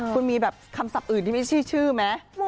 คุณมีแบบคำศัพท์อื่นที่ไม่ใช่ชื่อไหม